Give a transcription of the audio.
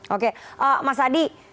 oke mas adi